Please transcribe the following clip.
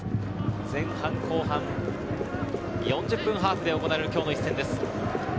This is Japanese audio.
前半・後半４０分ハーフで行われる今日の一戦です。